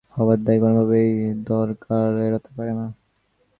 এতগুলো ভবন অবৈধভাবে নির্মিত হওয়ার দায় কোনোভাবেই সরকার এড়াতে পারে না।